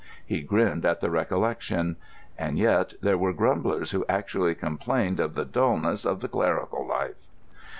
He grinned at the recollection. And yet there were grumblers who actually complained of the dulness of the clerical life!